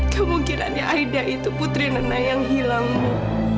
kemungkinannya aida itu putri nenek yang hilangmu